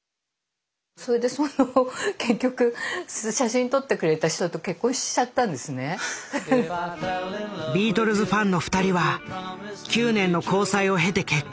それでその結局写真撮ってくれた人とビートルズファンの２人は９年の交際を経て結婚。